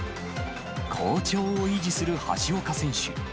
好調を維持する橋岡選手。